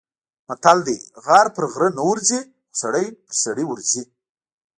متل دی: غر په غره نه ورځي، خو سړی په سړي ورځي.